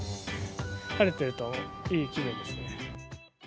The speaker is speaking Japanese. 晴れてるといい気分ですね。